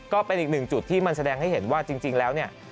ก็เป็นอีกหนึ่งจุดที่มันแสดงให้เห็นว่าจริงแล้วเนี่ย